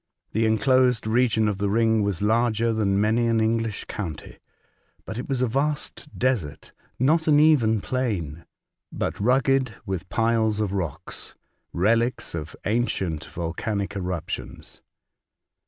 The enclosed region of the ring was larger than many an English county, but it was a vast desert ; not an even plain, but rugged, with piles of rocks, relics of ancient volcanic eruptions.